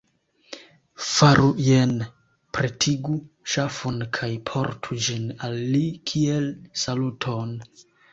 Faru jene: pretigu ŝafon kaj portu ĝin al li kiel saluton.